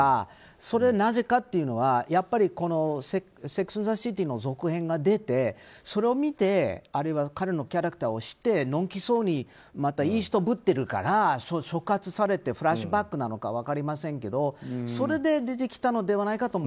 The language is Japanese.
それがなぜかというのは「セックス・アンド・ザ・シティ」の続編が出て、それを見てあるいは彼のキャラクターを知って暢気そうにまたいい人ぶっているから触発されてフラッシュバックなのか分かりませんけどそれで出てきたのではないかとも。